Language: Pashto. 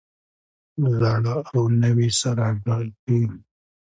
زاړه او نوي سره ګډ دي.